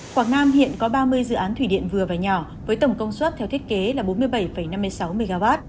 quảng nam hiện có ba mươi dự án thủy điện vừa và nhỏ với tổng công suất theo thiết kế là bốn mươi bảy năm mươi sáu mw